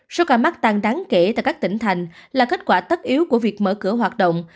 số ca mắc tăng đáng kể tại các tỉnh thành là kết quả tất yếu của việc mở cửa hoạt động